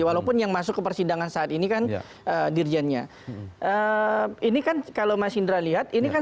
walaupun yang masuk ke persidangan saat ini kan dirjennya ini kan kalau mas indra lihat ini kan